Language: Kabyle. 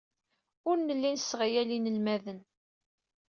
Ur nelli nesseɣyal inelmaden.